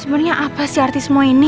sebenernya apa sih arti semua ini